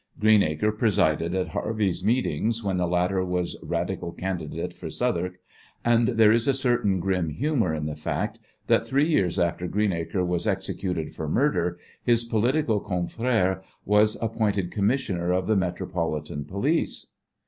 Greenacre presided at Harvey's meetings when the latter was Radical candidate for Southwark, and there is a certain grim humour in the fact that three years after Greenacre was executed for murder his political confrère was appointed commissioner of the metropolitan police.